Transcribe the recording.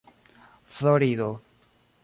florido